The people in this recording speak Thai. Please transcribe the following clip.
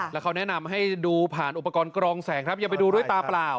แล้วเขาแนะนำให้ดูผ่านอุปกรณ์กรองแสงครับอย่าไปดูด้วยตาเปล่า